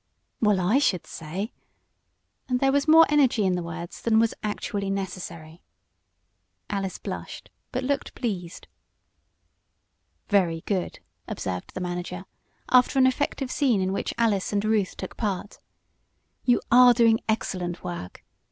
"Well I should say!" and there was more energy in the words than was actually necessary. Alice blushed, but looked pleased. "Very good!" observed the manager, after an effective scene in which Alice and Ruth took part. "You are doing excellent work.